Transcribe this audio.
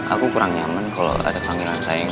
aku kurang nyaman kalau ada panggilan sayang